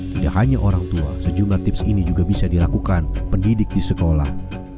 tidak hanya orang tua sejumlah tips ini juga bisa dilakukan pendidik di sekolah